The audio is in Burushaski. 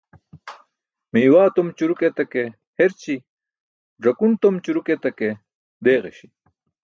Miiwaa tom ćuruk etake herći̇. Ẓakun tom ćuruk etake deeġaśi.